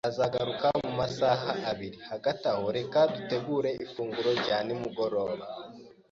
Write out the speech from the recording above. Azagaruka mumasaha abiri. Hagati aho, reka dutegure ifunguro rya nimugoroba.